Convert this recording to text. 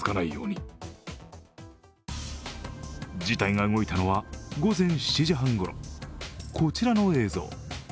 事態が動いたのは午前７時半ごろこちらの映像。